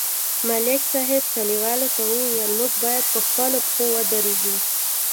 ملک صاحب کلیوالو ته وویل: موږ باید په خپلو پښو ودرېږو